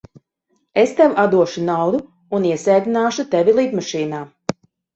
Es tev atdošu naudu un iesēdināšu tevi lidmašīnā.